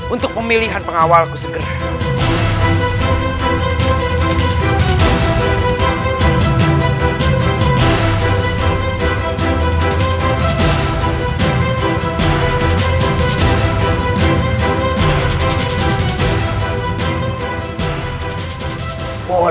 untuk pemilihan pengawal aku segera